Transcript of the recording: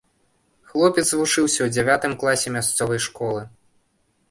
Хлопец вучыўся ў дзявятым класе мясцовай школы.